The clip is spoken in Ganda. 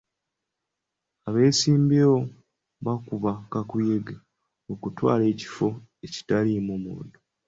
Abeesimbyewo bakuba kakuyege okutwala ekifo ekitaliimu muntu.